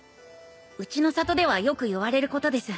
うちの里ではよくいわれることです。